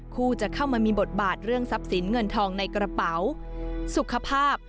จะเข้ามามีบทบาทเรื่องทรัพย์สินเงินทองในกระเป๋าสุขภาพ